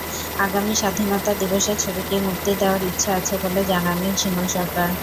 আগামী স্বাধীনতা দিবসে ছবিটি মুক্তি দেওয়ার ইচ্ছে আছে বলে জানালেন শিমুল সরকার।